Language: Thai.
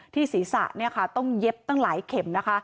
ศีรษะต้องเย็บตั้งหลายเข็มนะคะ